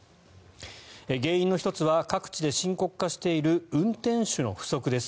原因の１つは各地で深刻化している運転手の不足です。